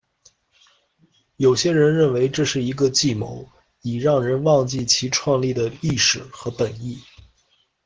有些人认为这是一个计谋，以让人忘记其创立的历史和本意。